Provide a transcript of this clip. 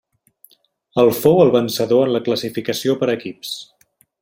El fou el vencedor en la classificació per equips.